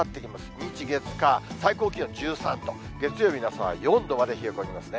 日、月、火、最高気温１３度、月曜日の朝は４度まで得込みますね。